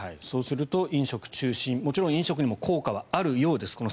そうすると飲食中心もちろん飲食にも効果はあるようです。